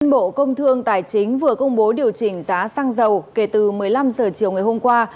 bộ công thương tài chính vừa công bố điều chỉnh giá xăng dầu kể từ một mươi năm h chiều ngày hôm qua